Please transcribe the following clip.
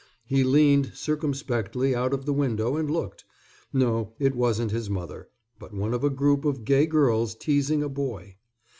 He leaned, circumspectly out of the window and looked. No, it wasn't his mother, but one of a group of gay girls teasing a boy.